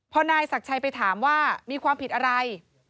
พอนายศักดิ์ชัยไปถามว่ามีความผิดอะไร